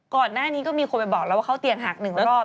ก่อนหน้านี้ก็มีคนไปบอกแล้วว่าเข้าเตียงหักหนึ่งรอบ